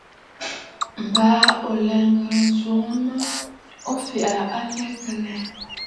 Baa ò ghɨ̀rə nswoŋ mə o fɛ̀ʼ̀ɛ̀ aa a lɛ kə lɛ?